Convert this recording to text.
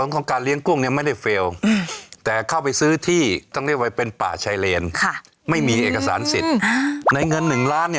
ของการเลี้ยงกุ้งไม่ประมาณเฟล